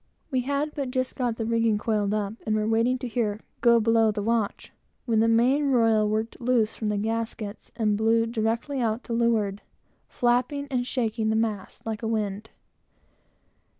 We had but just got the rigging coiled up, and were waiting to hear "go below the watch!" when the main royal worked loose from the gaskets, and blew directly out to leeward, flapping, and shaking the mast like a wand.